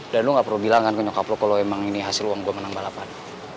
dan lo gak perlu bilang ke nyokap lo kalau emang ini hasil uang gue menang balapan